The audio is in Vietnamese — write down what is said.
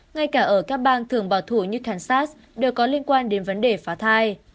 ngay cả ở các bang thường bảo thủ như khansas đều có liên quan đến vấn đề phá thai